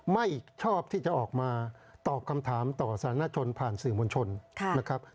ไม่ชอบที่จะออกมาตอบคำถามต่อสารชนผ่านสื่อมวลชนนะครับ